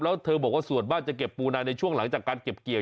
แล้วเธอบอกว่าส่วนมากจะเก็บปูนาในช่วงหลังจากการเก็บเกี่ยว